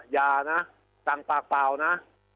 อย่านะสั่งปากเปล่านะ